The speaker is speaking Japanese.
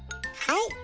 はい。